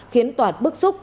khiến toàn bức xúc